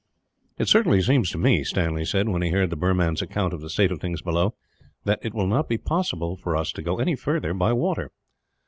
"It certainly seems to me," Stanley said, when he heard the Burman's account of the state of things below, "that it will not be possible for us to go any further, by water."